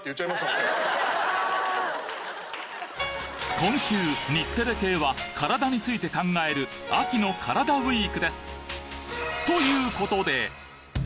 今週日テレ系はカラダについて考える秋のカラダＷＥＥＫです